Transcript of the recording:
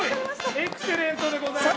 エクセレントでございます！